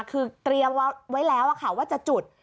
คือเตรียมไว้แล้วว่าจะจุด